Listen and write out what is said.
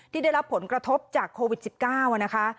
ที่ได้รับผลกระทบจากโควิด๑๙นะคะ